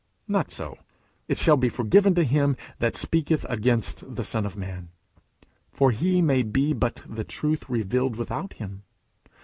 Not so. "It shall be forgiven to him that speaketh against the Son of man;" for He may be but the truth revealed without him.